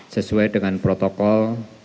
sesuai dengan protokol